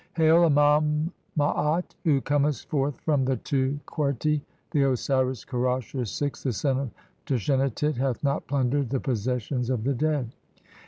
"Hail, Amam maat, who comest forth from the two "Qerti, the Osiris Kerasher (6), the son of Tashenatit, "hath not plundered the possessions of the dead.